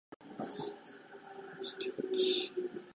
保津峡駅